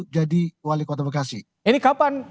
jadi wali kota bekasi ini kapan